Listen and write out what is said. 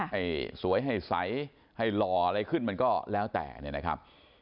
ให้สวยให้ใสให้หล่ออะไรขึ้นมันก็แล้วแต่เนี่ยนะครับ